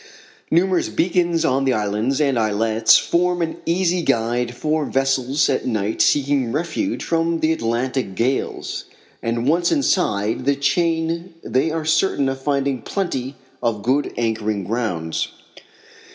Numerous beacons on the islands and islets form an easy guide for vessels at night seeking refuge from the Atlantic gales, and once inside the chain they are certain of finding plenty of good anchoring grounds.